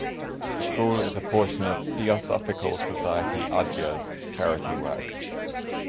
The school is a portion of Theosophical Society Adyar's charity work.